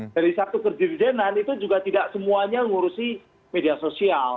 dari satu kedirjenan itu juga tidak semuanya ngurusi media sosial